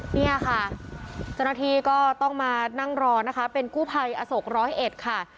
เนี่ยค่ะเจ้าหน้าที่ก็ต้องมานั่งรอนะคะเป็นกู้ภัยอโศกร้อยเอ็ดค่ะ